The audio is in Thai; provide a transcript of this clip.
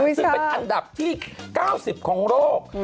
ซึ่งเป็นอันดับที่๙๐ของโลก